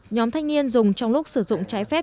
nhóm thanh niên dùng trong lúc sử dụng trái phép